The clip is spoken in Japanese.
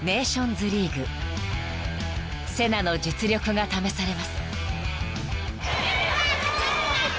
［セナの実力が試されます］